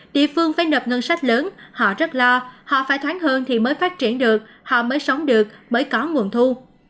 địa phương phải nộp ngân sách lớn họ rất lo họ phải thoáng hơn thì mới phát triển được họ mới sống được mới có nguồn thu